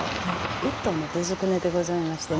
一燈の手捏ねでございましてね